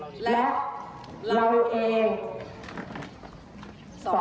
ไม่อยากให้เจ้าว่าเดือดร้อน